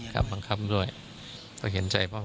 ครับบังคับด้วยก็เห็นใจพ่อ